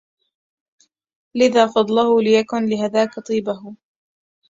لذا فضلهُ ليكن لهذاك طيبهُ